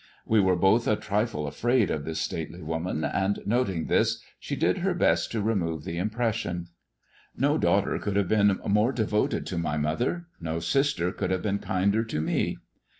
We werQ both a trifle afraid of this stately woman, and noting this^ she did her best to remove the impression. Ko daughter could have been more devoted to my mother ; no sister could have been kinder to me.